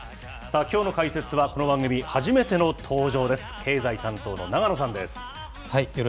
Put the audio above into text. きょうの解説は、この番組、初めての登場です。